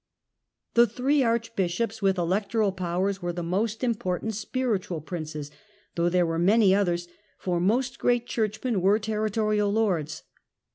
The three Archbishops with electoral powers were Spiritual . Princes the most miportant spnntual Prmces, though there were many others, for most great Churchmen were territorial lords.